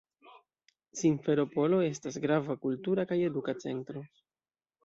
Simferopolo estas grava kultura kaj eduka centro.